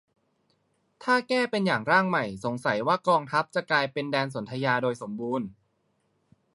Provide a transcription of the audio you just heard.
ถ้าแก้เป็นอย่างร่างใหม่ สงสัยว่ากองทัพจะกลายเป็นแดนสนธยาโดยสมบูรณ์